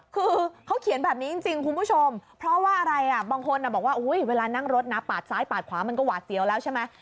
คือเขาเขียนแบบนี้จริงคุณผู้ชมเพราะว่าอะไรอ่ะบางคนบอกว่าเวลานั่งรถนะปาดซ้ายปาดขวามันก็หวาดเสียวแล้วใช่ไหม